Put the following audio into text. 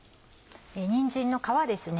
にんじんの皮ですね。